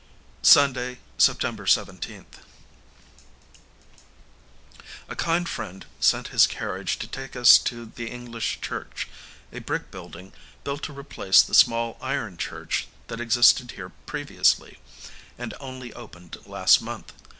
Sunday, September 17th. A kind friend sent his carriage to take us to the English church, a brick building, built to replace the small iron church that existed here previously, and only opened last month.